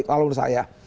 kalau menurut saya